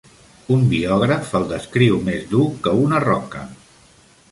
Un biògraf el descriu més dur que una roca.